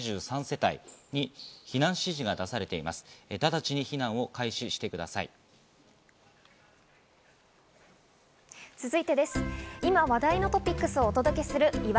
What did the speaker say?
ただちに避難を開始してください。